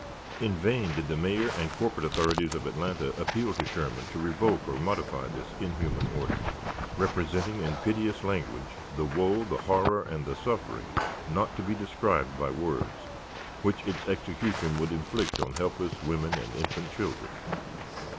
In vain did the Mayor and corporate authorities of Atlanta appeal to Sherman to revoke or modify this inhuman order, representing in piteous language "the woe, the horror, and the suffering, not to be described by words," which its execution would inflict on helpless women and infant children.